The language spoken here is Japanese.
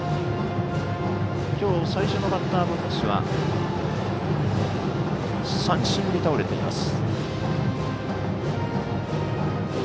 今日最初のバッターボックスは三振に倒れています。